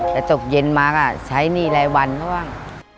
แล้วจบเย็นมาก็ใช้หนี้รายวันบ้าง